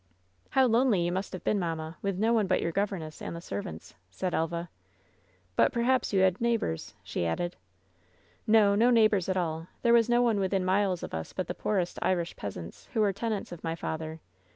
"How lonely you must have been, mamma, with no one but your governess and the servants," said Elva. "But perhaps you had neighbors," she added. "No ; no neighbors at all. There was no one within LOVE'S BITTEREST CUP 293 miles of us but the poorest Irish peasants, who were tenants of my father.